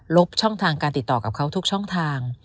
บช่องทางการติดต่อกับเขาทุกช่องทาง